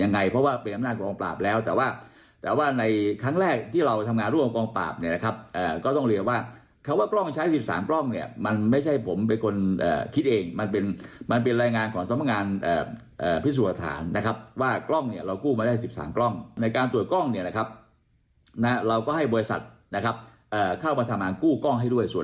ในการตรวจกล้องเราก็ให้บริษัทเข้ามันทำมากู้กล้องให้ด้วยส่วนหนึ่ง